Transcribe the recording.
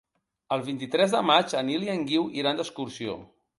El vint-i-tres de maig en Nil i en Guiu iran d'excursió.